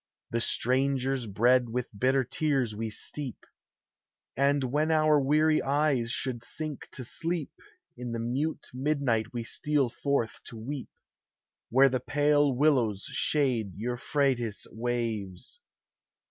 The strangers' bread with bitter tears we steep, And when our weary eyes should sink to sleep, In the mute midnight we steal forth to weep, Where the pale willows shade Euphrates' waves.